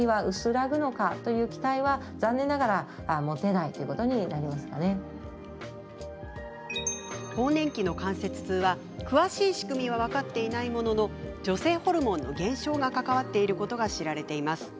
続いてのお悩みはエストロゲンが失われた更年期の関節痛は詳しい仕組みは分かっていないものの女性ホルモンの減少が関わっていることが知られています。